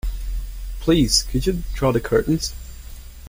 Please could you draw the curtains?